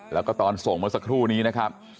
แล้วก็ตอนส่งเมื่อสักครู่นี้นะครับ